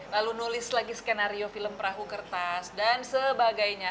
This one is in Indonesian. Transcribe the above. lalu nulis lagi skenario film perahu kertas dan sebagainya